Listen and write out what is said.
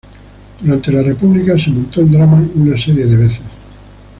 Durante la República, se montó el drama una serie de veces.